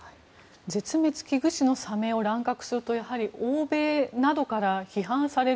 絶滅危惧種のサメを乱獲すると欧米などから批判される。